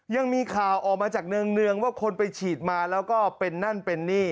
ยังมีข่าวออกมาจากเนืองว่าคนไปฉีดมาแล้วก็เป็นนั่นเป็นนี่